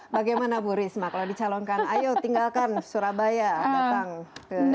bagaimana bu risma kalau dicalonkan ayo tinggalkan surabaya datang